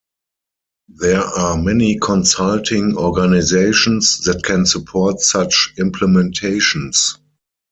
There are many consulting organizations that can support such implementations.